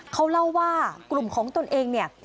เขาเล่าว่ากลุ่มของตนเองเนี่ย